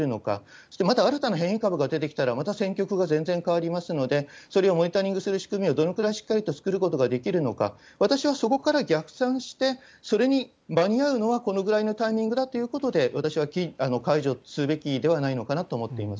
それとまた新たな変異株が出てきたら、また戦局が全然変わりますので、それをモニタリングする仕組みをどのくらいしっかりと作ることができるのか、私はそこから逆算して、それに間に合うのはこのぐらいのタイミングだということで、私は解除すべきではないのかなと思っています。